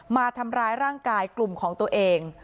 มาทำร้ายร่างกายกลุ่มของตัวเอง